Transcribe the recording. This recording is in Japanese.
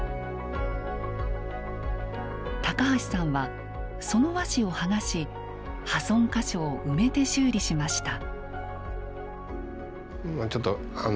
橋さんはその和紙を剥がし破損箇所を埋めて修理しました。